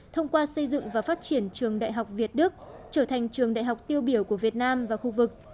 thông qua xây dựng và phát triển trường đại học việt đức trở thành trường đại học tiêu biểu của việt nam và khu vực